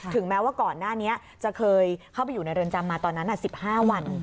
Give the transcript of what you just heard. แม้ว่าก่อนหน้านี้จะเคยเข้าไปอยู่ในเรือนจำมาตอนนั้น๑๕วัน